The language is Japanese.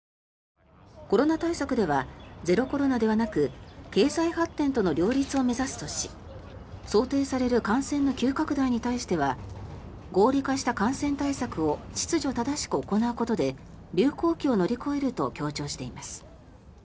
コロナ対策ではゼロコロナではなく経済発展との両立を目指すとし想定される感染の急拡大に対しては合理化した感染対策を秩序正しく行うことで流行期を乗り越えると強調しています。